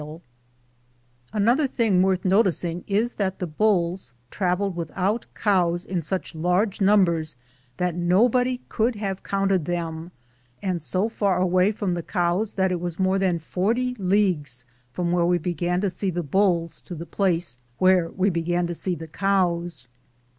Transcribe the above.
am Google THE JOURNEY OF CORONADO Another thing worth noticing is that the bulls traveled without cows in such large numbers that nobody could have counted them, and so far away from the cows that it was more than 40 leagues from where we began to see the bulls to the place where we began to see the cows.